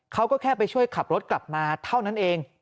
เขาก็แค่ไปช่วยขับรถกลับมาเท่านั้นเอง